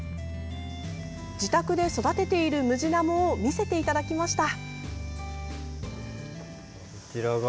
自宅で育てているムジナモを見せていただきました。